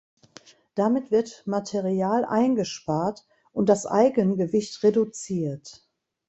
Damit wird Material eingespart und das Eigengewicht reduziert.